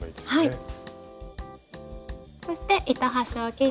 はい。